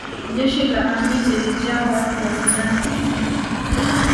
Jeshi la Amin lilijaa watu wa Sudan ya Kusini